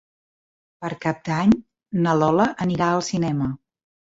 Per Cap d'Any na Lola anirà al cinema.